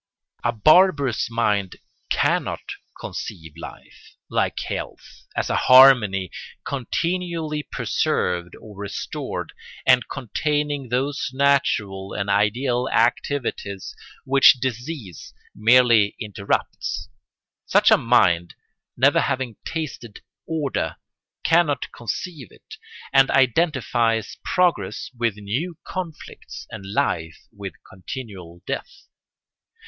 A barbarous mind cannot conceive life, like health, as a harmony continually preserved or restored, and containing those natural and ideal activities which disease merely interrupts. Such a mind, never having tasted order, cannot conceive it, and identifies progress with new conflicts and life with continual death.